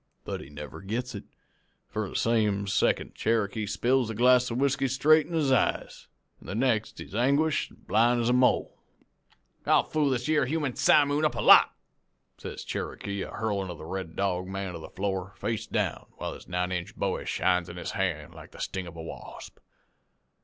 "But he never gets it, for the same second Cherokee spills the glass of whiskey straight in his eyes, an' the next he's anguished an' blind as a mole. "'I'll fool this yere human simoon up a lot,' says Cherokee, a hurlin' of the Red Dog man to the floor, face down, while his nine inch bowie shines in his hand like the sting of a wasp.